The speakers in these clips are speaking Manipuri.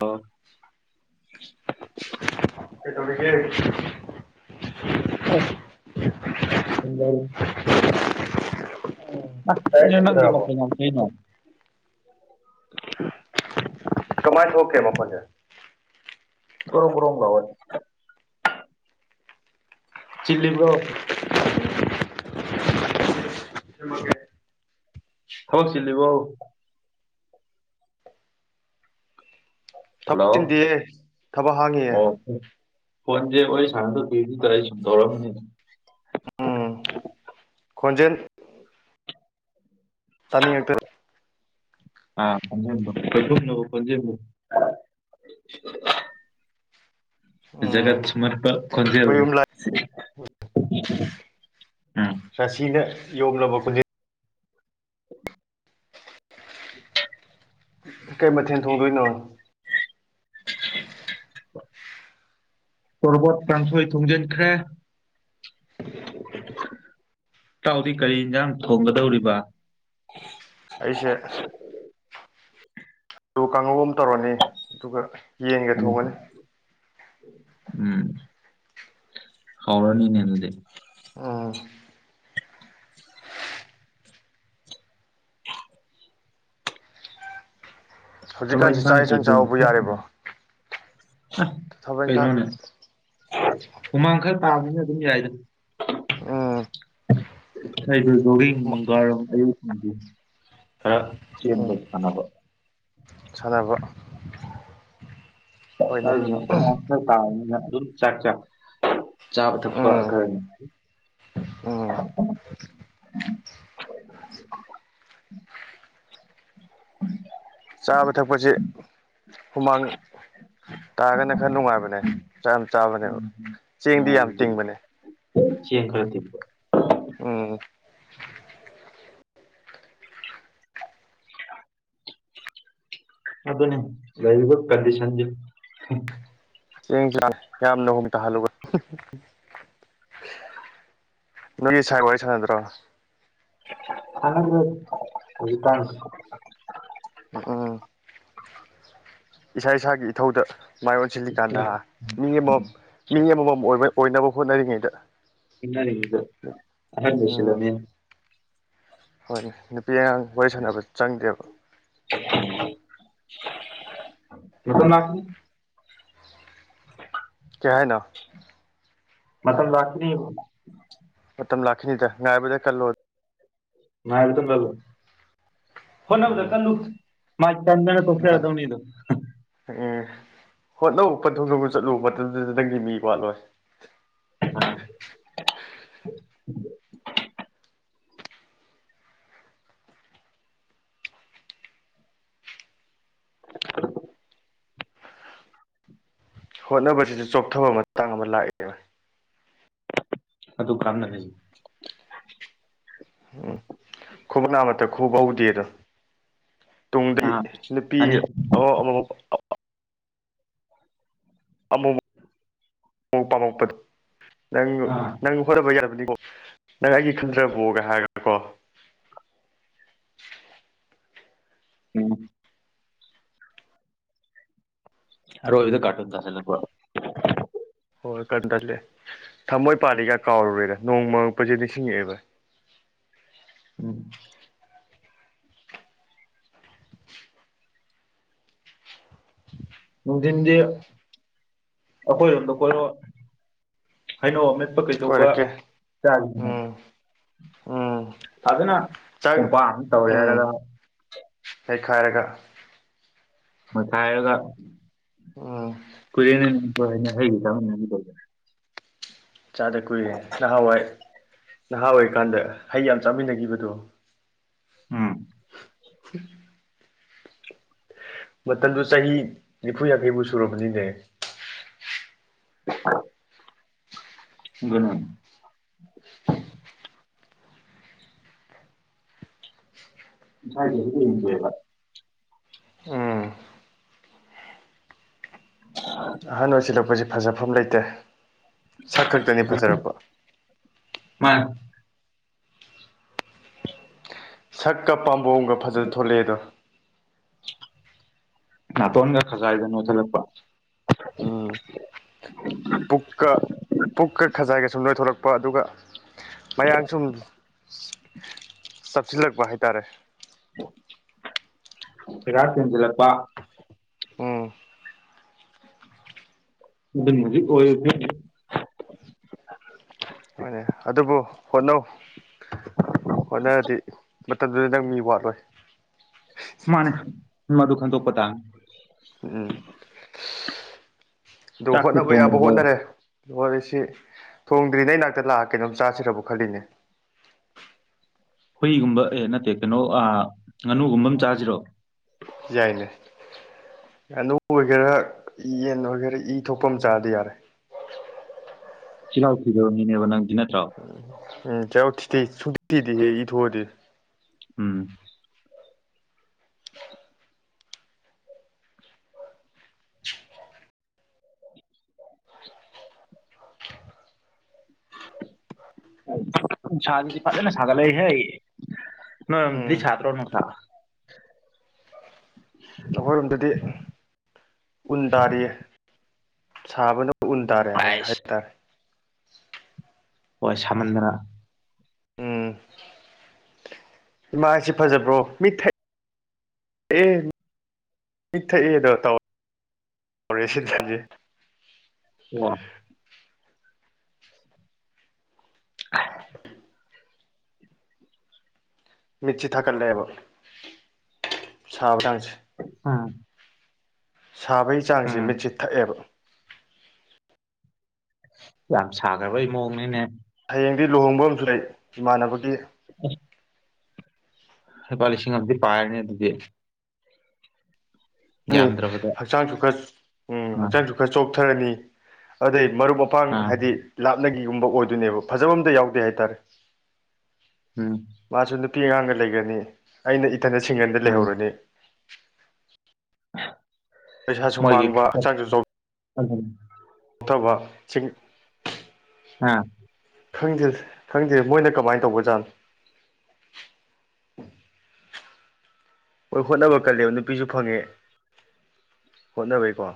ꯑꯣ ꯀꯩꯗꯧꯔꯤꯒꯦ INAUDIBLE ꯆꯥꯛ ꯀꯩꯅꯣ ꯏꯁꯤꯡ ꯅꯪꯒꯤꯗꯨ ꯎꯅꯔꯕꯣ ꯃꯈꯣꯟ ꯌꯥꯝꯅ ꯊꯣꯛꯑꯦꯅ ꯀꯃꯥꯏ ꯊꯣꯛꯀꯦ ꯃꯈꯣꯟꯖꯦ ꯀ꯭ꯔꯣꯛ ꯀ꯭ꯔꯣꯛ ꯃꯥꯎꯋꯦ ꯆꯤꯜꯂꯤꯕ꯭ꯔꯣ ꯊꯕꯛ ꯆꯤꯜꯂꯤꯕꯣ ꯊꯕꯛ ꯍꯜꯂꯣ ꯆꯤꯟꯗꯤꯌꯦ ꯊꯕꯛ ꯍꯥꯡꯉꯤꯌꯦ ꯐꯣꯟꯖꯦ ꯋꯥꯔꯤ ꯁꯥꯟꯅꯗ ꯀꯨꯢꯔꯦꯅ ꯑꯩ ꯁꯨꯝ ꯇꯧꯔꯛꯑꯝꯕꯅꯤꯗ ꯎꯝ ꯈꯣꯟꯖꯦꯜ ꯇꯥꯅꯤꯡꯉꯛꯇꯅ ꯑꯥ ꯈꯣꯟꯖꯦꯜꯕꯨ ꯈꯣꯢꯊꯨꯝꯅ ꯈꯣꯟꯖꯦꯜꯗꯣ INAUDIBLE ꯎꯝ ꯖꯒꯠ ꯑꯩꯈꯣꯏ ꯁꯨꯝꯍꯠꯄ ꯈꫭꯟꯖꯦꯜ ꯌꯨꯝ ꯂꯥꯏ ꯑ ꯔꯥꯁꯤꯅ ꯌꯣꯝꯂꯕ ꯈꯣꯟꯖꯦꯜ INAUDIBLE INAUDIBLE ꯀꯩ ꯃꯊꯦꯜ ꯊꯣꯡꯗꯣꯏꯅꯣ INAUDIBLE ꯇꯣꯔꯕꯣꯠ ꯀꯥꯡꯊꯣꯏ ꯊꯨꯡꯖꯤꯟꯈ꯭ꯔꯦ ꯇꯥꯎꯗꯤ ꯀꯔꯤ ꯌꯦꯟꯁꯥꯡ ꯊꯣꯡꯒꯗꯧꯔꯤꯕ ꯑꯩꯁꯦ ꯑꯗꯨ ꯀꯥꯡꯉꯧ ꯑꯃ ꯇꯧꯔꯅꯤ ꯑꯗꯨꯒ ꯌꯦꯟꯒ ꯊꯣꯡꯉꯅꯤ ꯎꯝ ꯍꯎꯔꯅꯤꯅꯦ ꯑꯗꯨꯗꯤ ꯑꯣ ꯊꯕꯛ ꯍꯧꯖꯤꯛꯀꯥꯟꯁꯤ ꯆꯥꯛ ꯏꯟꯈꯥꯡ ꯀꯩ ꯌꯦꯟꯁꯥꯡ ꯆꯥꯕꯕꯨ ꯌꯥꯔꯤꯕ꯭ꯔꯣ ꯑꯥ ꯊꯕꯛ ꯏꯪꯈꯥꯡ ꯀꯩꯅꯣꯅꯦ ꯍꯨꯃꯥꯡ ꯈꯔ ꯇꯕꯥꯖꯨ ꯑꯗꯨꯝ ꯌꯥꯏꯗ ꯎꯝ ꯑꯩꯁꯨ ꯖꯣꯒꯤꯡ ꯅꯨꯡꯗꯥꯡꯋꯥꯢꯔꯝ ꯑꯌꯨꯛ ꯁꯨꯡꯗꯤ ꯈꯔ ꯆꯦꯟꯕ ꯎꯝ ꯁꯥꯟꯅꯕ ꯁꯥꯟꯅꯕ ꯍꯣꯏꯅꯦ [inaudible] ꯈꯔ ꯇꯥꯕꯅꯤꯅ ꯑꯗꯨꯝ ꯆꯥꯛ ꯆꯥꯛ ꯆꯥꯕ ꯊꯛꯄ ꯎꯝ ꯈꯔꯅꯤ ꯎꯝ ꯆꯥꯕ ꯊꯛꯄꯁꯦ ꯍꯨꯃꯥꯡ ꯇꯥꯔꯒꯅ ꯈꯔ ꯅꯨꯡꯉꯥꯏꯕꯅꯦ ꯆꯥꯛ ꯌꯥꯝ ꯆꯥꯕꯒꯤ ꯆꯦꯡꯗꯤ ꯌꯝꯅ ꯇꯤꯡꯕꯅꯦ ꯆꯡ ꯈꯔ ꯇꯤꯡ ꯎꯝ ꯑꯗꯨꯅꯤ ꯂꯩꯔꯤꯕ ꯀꯟꯗꯤꯁꯟꯁꯤ ꯍꯝ [unintelligible] ꯌꯝꯅ [unintelligible] ꯅꯪ ꯅꯣꯏ ꯁꯥꯏ ꯋꯥꯔꯤ ꯁꯥꯟꯅꯗ꯭ꯔꯣ [unintelligible] ꯎꯝ ꯏꯁꯥ ꯏꯁꯥꯒꯤ ꯏꯊꯧꯗ ꯃꯥꯏ ꯑꯣꯟꯁꯤꯜꯂꯤꯀꯥꯟꯗ ꯃꯤ ꯑꯃꯃꯝ ꯃꯤ ꯑꯃꯃꯝ ꯑꯃꯃꯝ ꯑꯣꯏꯅ ꯑꯣꯏꯅꯕ ꯍꯣꯠꯅꯔꯤꯉꯩꯗ ꯃꯤꯅꯥꯏꯑꯣꯏꯔꯤꯉꯩꯗ ꯑꯉꯥꯡ ꯎꯝ ꯑꯣꯁꯤꯂꯝꯃꯦ ꯍꯣꯏꯅꯦ ꯅꯨꯄꯤ ꯑꯉꯥꯡ ꯋꯥꯔꯤ ꯁꯥꯟꯅꯕ ꯆꯪꯗꯦꯕ [unintelligible] ꯀꯩ ꯍꯥꯏꯅꯣ ꯃꯊꯪ ꯂꯛꯄꯔꯥ ꯌꯦꯡꯉꯣ ꯃꯇꯝ ꯂꯥꯛꯈꯤꯅꯤꯗ ꯉꯥꯏꯕꯥꯇ ꯀꯜꯂꯣ ꯉꯥꯏꯕꯇ ꯀꯜꯂꯣ ꯍꯣꯠꯅꯕꯗ ꯎꯝ ꯀꯜꯂꯨ ꯃꯥꯅꯦ [unintelligible] ꯑꯗꯨ ꯎꯝ ꯍꯣꯠꯅꯧ ꯀꯊꯨꯡꯌꯧꯅ ꯆꯠꯂꯨ ꯃꯇꯝꯗꯨꯗ ꯅꯪꯗꯤ ꯃꯤ ꯋꯥꯠꯂꯣꯏ [unintelligible] ꯍꯣꯠꯅꯕꯁꯤꯁꯨ ꯆꯣꯛꯊꯕ ꯃꯇꯥꯡ ꯑꯃ ꯂꯥꯛꯑꯦ ꯕꯥꯏ ꯑꯗꯨꯨ ꯀ꯭ꯅꯔꯤ ꯎꯝ ꯈꯨꯕꯛ ꯑꯃꯛꯇ ꯈꯨꯕ ꯍꯧꯗꯦꯗꯣ ꯇꯨꯡꯗꯤ ꯑꯥ ꯅꯨꯄꯤ ꯑꯅꯤ ꯑꯃ ꯑꯃ ꯑꯃꯥꯨ ꯑꯃꯨ ꯄꯥꯝꯃꯛꯄꯗꯣ ꯅꯪ ꯑꯥ ꯅꯪ ꯍꯣꯠꯅꯕ ꯌꯥꯔꯕꯅꯤꯀꯣ ꯅꯪ ꯑꯩꯒꯤ ꯈꯟꯗꯔꯕꯣꯒ ꯍꯥꯏꯔꯒ꯭ꯔꯀꯣ ꯎꯝ [unintelligible] ꯀꯥꯔꯇꯨꯟ ꯇꯥꯁꯜꯂꯛꯄ ꯍꯣꯏ [unintelligible] ꯊꯝꯃꯣꯏ ꯄꯥꯜꯂꯤꯒ ꯀꯥꯎꯔꯨꯔꯦꯗ ꯅꯣꯡꯃꯛꯄꯁꯤꯗ ꯅꯤꯡꯁꯤꯡꯉꯛꯑꯦꯕ ꯎꯝ ꯅꯨꯡꯊꯤꯟꯗꯤ ꯑꯩꯈꯣꯏꯔꯣꯝꯗ ꯀꯣꯏꯔꯛꯑꯣ ꯍꯥꯏꯅꯧ ꯑꯃꯦꯠ__ ꯃꯦꯠꯄ ꯀꯩꯗꯧꯕ ꯀꯣꯏꯔꯛꯀꯦ ꯆꯥꯁꯤ ꯎꯝ ꯎꯝ ꯆꯥꯛ ꯀꯣꯝꯄꯥꯛ ꯑꯃ ꯇꯧꯔꯦ ꯎꯝ ꯍꯥꯏꯔꯒ ꯍꯩꯈꯥꯏꯔꯒ ꯅꯣꯢꯈꯥꯢꯔꯒ ꯑꯝ ꯀꯨꯢꯔꯦꯅꯦ [unintelligible] ꯍꯩꯒ ꯆꯥꯃꯤꯟꯅꯈꯤꯗꯕꯁꯤ ꯆꯥꯗ ꯀꯨꯏꯔꯦ ꯅꯍꯥꯟꯋꯥꯏ ꯅꯍꯥ ꯑꯣꯢꯔꯤꯀꯥꯟꯗ ꯍꯩ ꯌꯥꯝ ꯆꯥꯃꯤꯟꯅꯈꯤꯕꯗꯨ ꯎꯝ ꯎ [inaudible] ꯃꯇꯝꯗꯨ ꯆꯍꯤ ꯅꯤꯐꯨ ꯌꯥꯡꯈꯩꯕꯨ ꯁꯨꯔꯝꯃꯅꯤꯅꯦ [inaudible] ꯑꯗꯨꯅꯦ [unintelligible] ꯎꯝ ꯑꯍꯟ ꯑꯣꯏꯁꯤꯜꯂꯛꯄꯁꯤ ꯐꯖꯐꯝ ꯂꯩꯇꯦ ꯁꯛ ꯈꯛꯇꯅꯤ ꯐꯖꯔꯛꯄ ꯃꯥꯅꯤ ꯁꯛꯀ ꯄꯥꯝꯕꯣꯝꯒ ꯐꯖ ꯊꯣꯛꯂꯛꯑꯦꯗꯣ ꯅꯥꯇꯣꯟꯒ ꯈꯒꯥꯏꯗ ꯅꯣꯠꯈꯠꯂꯛꯄ ꯎꯝ ꯄꯨꯛꯀ ꯄꯨꯛꯀ ꯈꯖꯥꯏꯒ ꯁꯨꯝ ꯅꯣꯏꯊꯣꯛꯂꯛꯄ ꯑꯗꯨꯒ ꯃꯌꯥꯡ ꯁꯨꯝ ꯆꯞꯁꯤꯜꯂꯛꯄ ꯍꯥꯏꯇꯥꯔꯦ ꯁꯦꯒꯥꯛ ꯆꯦꯡꯖꯤꯜꯂꯛꯄꯥ ꯎꯝ ꯑꯗꯨꯅꯤ ꯍꯧꯖꯤꯛ ꯑꯣꯏꯔꯤꯁꯤ ꯍꯣꯏꯅꯦ ꯑꯗꯨꯕꯨ ꯍꯣꯠꯅꯧ ꯍꯣꯠꯅꯔꯗꯤ ꯃꯇꯝꯗꯨꯗ ꯅꯪ ꯃꯤ ꯋꯥꯠꯂꯣꯏ ꯃꯥꯅꯤ ꯃꯗꯨ ꯈꯥꯟꯗꯣꯛꯄ ꯇꯕꯥꯅꯤ ꯎꯝꯝ ꯑꯗꯨ ꯆꯥꯛꯇꯤ ꯍꯣꯠꯅꯕ ꯌꯥꯕ ꯊꯣꯡꯈ꯭ꯔꯕꯣ ꯍꯣꯠꯅꯔꯦ ꯋꯥꯔꯤꯁꯤ ꯊꯣꯡꯗ꯭ꯔꯤ ꯅꯪ ꯅꯥꯛꯇ ꯂꯥꯛꯑ ꯀꯩꯅꯣꯝ ꯆꯥꯁꯤꯔꯕꯨ ꯈꯜꯂꯤꯅꯦ ꯍꯨꯏꯒꯨꯝꯕ ꯑꯦ ꯅꯠꯇꯦ ꯀꯩꯅꯣ ꯑꯥ ꯉꯥꯅꯨꯒꯨꯝꯕ ꯑꯃ ꯆꯥꯁꯤꯔꯣ ꯌꯥꯏꯅꯦ ꯉꯥꯅꯨ ꯑꯣꯏꯒꯦꯔꯥ ꯌꯦꯟ ꯑꯣꯏꯒꯦꯔꯥ ꯏ ꯊꯣꯛꯄ ꯑꯃ ꯆꯥꯔꯗꯤ ꯌꯥꯔꯦ [inaudible] ꯆꯤꯜꯂꯥꯎ ꯊꯤꯗꯕ ꯃꯤꯅꯦꯕ ꯅꯪꯗꯤ ꯅꯠꯇ꯭ꯔꯣ ꯎꯝ ꯆꯤꯜꯍꯧ ꯊꯤꯗꯦ ꯁꯨꯡꯊꯤ ꯊꯤꯗꯦ ꯍꯦ ꯏ ꯊꯣꯛꯑꯗꯤ ꯎꯝ ꯅꯨꯡꯁꯥ ꯁꯤꯗꯤ ꯐꯖꯅꯥ ꯁꯒꯠꯂꯛꯏꯍꯦ ꯅꯣꯏꯔꯣꯝꯗꯗꯤ ꯎꯝ ꯁꯗ꯭ꯔꯣ ꯅꯨꯡꯁꯥ ꯑꯩꯈꯣꯏꯔꯣꯝꯗꯗꯤ ꯎꯟ ꯇꯥꯔꯤꯌꯦ ꯁꯥꯕꯅ__ ꯎꯟ ꯇꯥꯔꯦ ꯍꯥꯏ ꯑꯥꯏꯁ ꯍꯥꯏꯇꯥꯔꯦ ꯍꯣꯏ ꯁꯥꯃꯟꯗꯅ ꯎꯝ [inaudible] ꯏꯃꯥ ꯑꯩꯁꯤ ꯐꯖꯕ꯭ꯔꯣ ꯃꯤꯠ ꯊꯥꯛ ꯊꯥꯛꯑꯦ ꯃꯤꯠꯊꯛꯑꯦꯗꯣ ꯇꯧ ꯇꯧꯔꯦ ꯁꯤꯗꯥꯗꯤ ꯑꯣ ꯑ [inaudible] ꯃꯤꯠꯁꯤ ꯊꯥꯛꯀꯠꯂꯛꯑꯦꯕ ꯁꯥꯕꯀꯟꯁꯤ ꯑꯥ ꯁꯥꯕꯩ ꯆꯥꯡꯖꯦ ꯃꯤꯠꯁꯤ ꯊꯛꯑꯦꯕ ꯌꯥꯝ ꯁꯥꯒ꯭ꯔꯕꯩ ꯃꯑꯣꯡꯅꯤꯅꯦ ꯍꯌꯦꯡꯗꯤ ꯂꯨꯍꯣꯡꯕ ꯑꯝꯖꯨ ꯂꯩ ꯏꯃꯥꯟꯅꯕꯒꯤ [inaudible] ꯍꯩꯄꯥ ꯂꯤꯁꯤꯡ ꯑꯝꯗꯤ ꯄꯥꯏꯔꯅꯦ ꯑꯗꯨꯗꯤ ꯑꯅꯤ ꯌꯥꯝꯗ꯭ꯔꯕꯗ ꯍꯛꯆꯥꯡꯆꯨ ꯈꯔ ꯎꯝ ꯑꯥ ꯍꯛꯆꯥꯡꯆꯨ ꯈꯔ ꯆꯣꯛꯊꯔꯅꯤ ꯑꯗꯩ ꯃꯔꯨꯞ ꯃ ꯄꯥꯡ ꯑꯥ ꯍꯥꯏꯗꯤ ꯂꯥꯞꯅꯒꯤꯒꯨꯝꯕ ꯑꯣꯏꯗꯣꯏꯅꯦꯕ ꯐꯖꯥꯕ ꯑꯝꯇ ꯌꯥꯎꯗꯦ ꯍꯥꯏꯇꯔꯦ ꯎꯝ ꯃꯥꯖꯨ ꯅꯨꯄꯤ ꯑꯉꯥꯡꯒ ꯂꯩꯒꯅꯤ ꯑꯩꯅ ꯏꯇꯟꯗ ꯁꯤꯡꯒꯟꯗ ꯎꯝ ꯂꯩꯍꯧꯔꯅꯤ ꯄꯩꯁꯥꯁꯨ ꯃꯣꯏꯒꯤ ꯃꯥꯡꯕ [inaudible] ꯊꯧꯕ ꯆꯤꯡ ꯉꯥ ꯈꯪꯗꯦꯗ ꯈꯪꯗꯦ ꯃꯣꯏꯅ ꯀꯃꯥꯏ ꯇꯧꯕꯖꯥꯠꯅꯣ ꯍꯣꯏ ꯍꯣꯠꯅꯕ ꯀꯜꯂꯦꯕ ꯅꯨꯄꯤꯖꯨ ꯐꯪꯉꯦ ꯍꯣꯠꯅꯕꯩꯀꯣ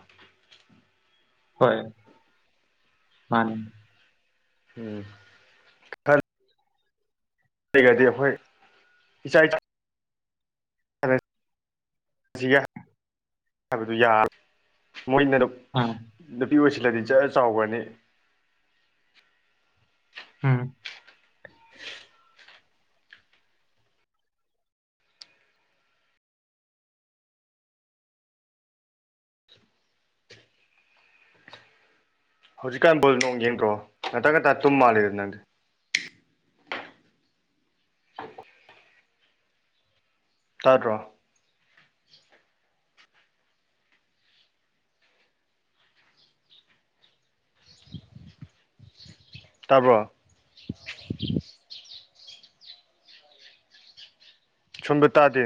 ꯍꯣꯏ ꯃꯥꯅꯤ ꯎꯝ ꯔꯩꯒ꯭ꯔꯗꯤ ꯍꯣꯏ ꯏꯆꯥ [inaudible] ꯁꯤꯒ ꯍꯥꯏꯕꯗꯨ ꯌꯥ ꯃꯣꯏꯅ ꯑꯗꯨ ꯑꯥ ꯅꯨꯄꯤ ꯑꯣꯏꯁꯤꯜꯂꯗꯤ ꯖꯔ ꯆꯥꯎꯒꯔꯅꯤ ꯎꯝ ꯍꯧꯖꯤꯛꯀꯥꯟ ꯕꯣꯜ ꯅꯨꯡ ꯌꯦꯡꯗ꯭ꯔꯣ ꯉꯟꯇ ꯉꯟꯇ ꯇꯨꯝꯃꯥꯜꯂꯦꯗ ꯅꯪꯗꯤ ꯆꯥꯗ꯭ꯔꯣ ꯇꯥꯕ꯭ꯔꯣ ꯁꯣꯝꯗ ꯇꯥꯗꯦ